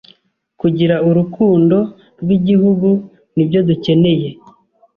Kugira Urukundo rw’igihugu nibyo dukeneye